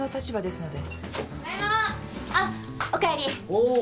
おお。